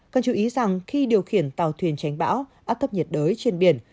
cần chú ý rằng khi điều khiển tàu thuyền tránh bão áp thấp nhiệt đới trên biển